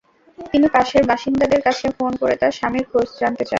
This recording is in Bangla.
তিনি পাশের বাসিন্দাদের কাছে ফোন করে তাঁর স্বামীর খোঁজ জানতে চান।